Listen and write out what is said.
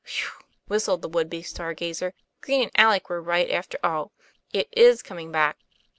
"Whew!" whistled the would be star gazer. TOM PLAYFAIR. 113 " Green and Alec were right after all. It is coming back."